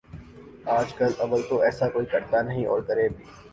آج کل اول تو ایسا کوئی کرتا نہیں اور کرے بھی